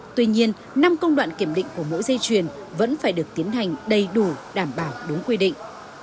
tuy nhiên năm công đoạn kiểm định của mỗi dây chuyền vẫn phải được tiến hành đầy đủ đảm bảo đúng quy định